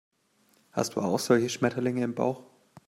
Hast du auch solche Schmetterlinge im Bauch?